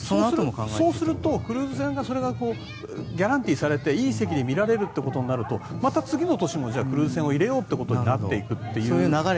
そうするとクルーズ船がギャランティーされていい席で見られるとなるとまた次の年もクルーズ船を入れようということになっていくという。